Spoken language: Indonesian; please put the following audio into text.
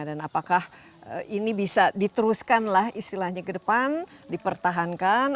dan apakah ini bisa diteruskanlah istilahnya ke depan dipertahankan